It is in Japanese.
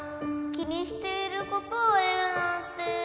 きにしていることをいうなんて。